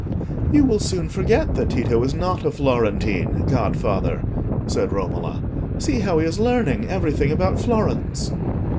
"You will soon forget that Tito is not a Florentine, godfather," said Romola. "See how he is learning everything about Florence."